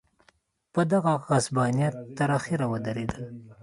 په دغه غصبانیت تر اخره ودرېدل.